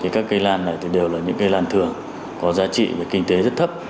các cây lan này đều là những cây lan thường có giá trị về kinh tế rất thấp